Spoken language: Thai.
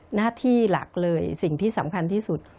หน้าที่หลักเลยสิ่งที่สำคัญที่สุด